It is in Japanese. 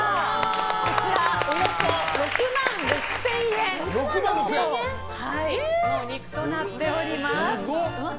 こちら、およそ６万６０００円のお肉となっております。